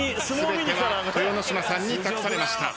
全ては豊ノ島さんに託されました。